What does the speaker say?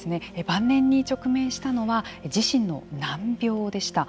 晩年に直面したのは自身の難病でした。